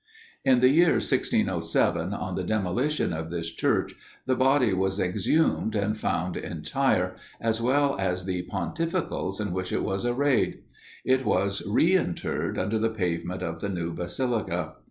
In the year 1607, on the demolition of this church, the body was exhumed and found entire, as well as the pontificals in which it was arrayed. It was re interred under the pavement of the new basilica.